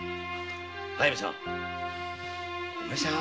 速水さんお前さん